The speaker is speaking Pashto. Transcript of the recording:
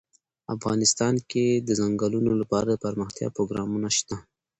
افغانستان کې د چنګلونه لپاره دپرمختیا پروګرامونه شته.